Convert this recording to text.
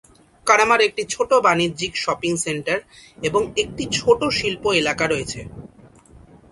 কারামার একটি ছোট বাণিজ্যিক শপিং সেন্টার এবং একটি ছোট শিল্প এলাকা রয়েছে।